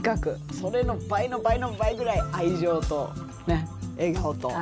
それの倍の倍の倍ぐらい愛情とね笑顔と。